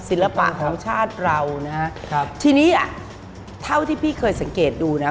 สิรภาคทางชาติเรานะฮะทีนี้อะเท่าที่พี่เคยสังเกตดูนะ